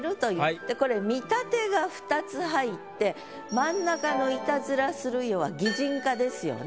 でこれ見立てが２つ入って真ん中の「悪戯するよ」は擬人化ですよね。